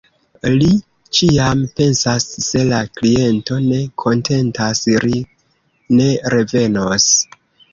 Ri ĉiam pensas "Se la kliento ne kontentas, ri ne revenos".